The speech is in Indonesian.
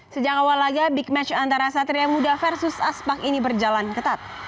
sejak awal laga big match antara satria muda versus aspak ini berjalan ketat